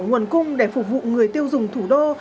nguồn cung để phục vụ người tiêu dùng thủ đô